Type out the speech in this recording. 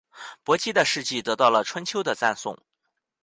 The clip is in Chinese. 伯姬的事迹得到了春秋的赞颂。